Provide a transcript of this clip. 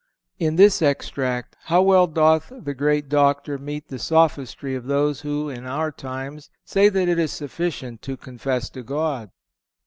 (450) In this extract how well doth the great Doctor meet the sophistry of those who, in our times, say that it is sufficient to confess to God!